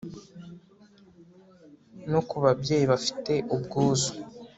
No kubabyeyi bafite ubwuzu